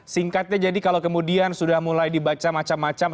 singkatnya jadi kalau kemudian sudah mulai dibaca macam macam